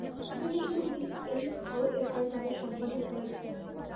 তিনি শুধু miss L হাওএভার নামে সম্বোধন করেছেন।